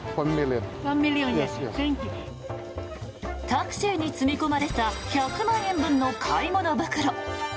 タクシーに積み込まれた１００万円分の買い物袋。